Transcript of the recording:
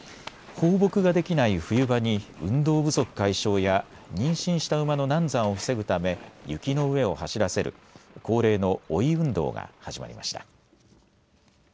放牧ができない冬場に運動不足解消や妊娠した馬の難産を防ぐため雪の上を走らせる恒例の追い運動が始まりました。